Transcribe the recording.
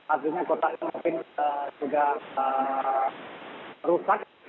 artinya kotaknya mungkin juga rusak